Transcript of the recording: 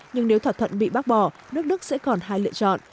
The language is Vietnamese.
nhưng nếu thỏa thuận bị bác bỏ nước đức sẽ còn hai lựa chọn